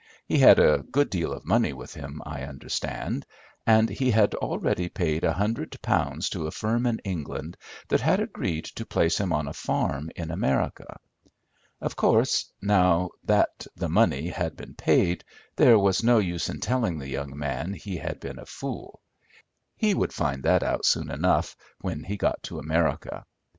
He had a good deal of money with him, I understood, and he had already paid a hundred pounds to a firm in England that had agreed to place him on a farm in America. Of course, now that the money had been paid, there was no use in telling the young man he had been a fool. He would find that out soon enough when he got to America.